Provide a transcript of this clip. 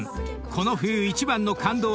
この冬一番の感動